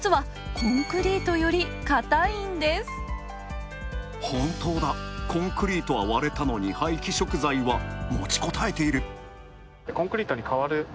コンクリートは割れたのに廃棄食材は持ちこたえている。